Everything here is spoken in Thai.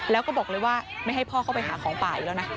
แล้วก็บอกเลยว่าไม่ให้พ่อเข้าไปหาของป่าอีกแล้วนะ